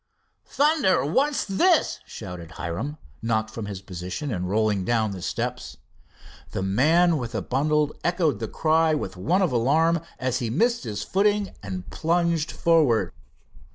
"Thunder! what's this?" shouted Hiram, knocked from his position and rolling down the steps. The man with the bundle echoed the try with one of alarm, as he missed his footing and plunged forward.